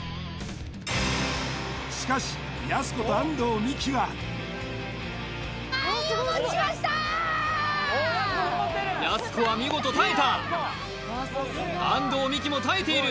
しかしやす子と安藤美姫はワインをお持ちしましたやす子は見事耐えた安藤美姫も耐えている